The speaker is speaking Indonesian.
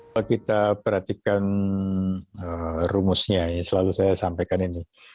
kalau kita perhatikan rumusnya selalu saya sampaikan ini